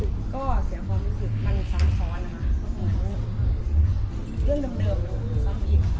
ก็เสียความรู้สึกมันซ้ำซ้อนนะคะเหมือนเรื่องเดิมเดิม